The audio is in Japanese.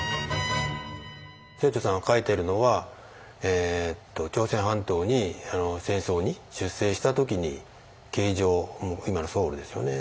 清張さんが書いてるのは朝鮮半島に戦争に出征した時に京城今のソウルですよね。